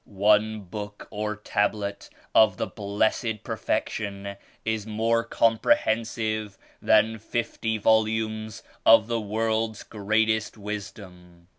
One Book or Tablet of the Blessed Perfection is more comprehensive than fifty volumes of the world's greatest wisdom.